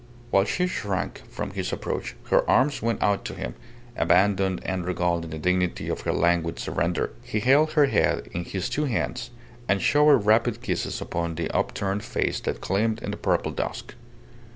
While she shrank from his approach, her arms went out to him, abandoned and regal in the dignity of her languid surrender. He held her head in his two hands, and showered rapid kisses upon the upturned face that gleamed in the purple dusk.